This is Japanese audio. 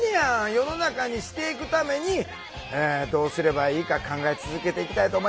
世の中にしていくためにどうすればいいか考え続けていきたいと思います。